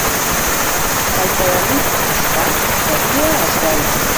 El que de nit es fa, de dia es veu.